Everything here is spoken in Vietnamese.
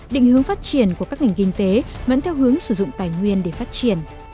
định hướng phát triển của các ngành kinh tế vẫn theo hướng sử dụng tài nguyên để phát triển